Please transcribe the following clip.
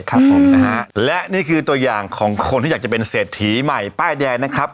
ครับผมนะฮะและนี่คือตัวอย่างของคนที่อยากจะเป็นเศรษฐีใหม่ป้ายแดงนะครับ